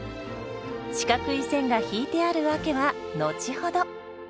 四角い線が引いてある訳は後ほど。